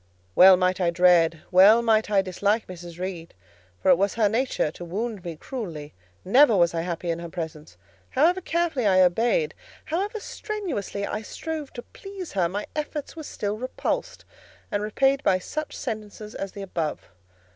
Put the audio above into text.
Well might I dread, well might I dislike Mrs. Reed; for it was her nature to wound me cruelly; never was I happy in her presence; however carefully I obeyed, however strenuously I strove to please her, my efforts were still repulsed and repaid by such sentences as the above.